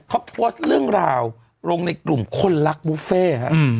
เขาโพสต์เรื่องราวลงในกลุ่มคนรักบุฟเฟ่ฮะ